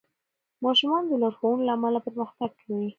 ماشومان د لارښوونو له امله پرمختګ کوي.